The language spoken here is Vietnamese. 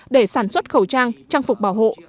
để sản xuất khẩu trang trang phục bảo hộ